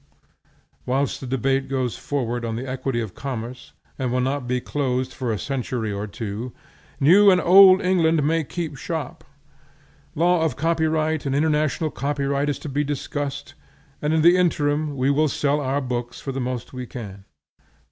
Whilst the debate goes forward on the equity of commerce, and will not be closed for a century or two, New and Old England may keep shop. Law of copyright and international copyright is to be discussed, and in the interim we will sell our books for the most we can.